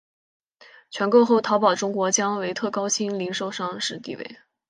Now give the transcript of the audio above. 全购后淘宝中国将维持高鑫零售上市地位。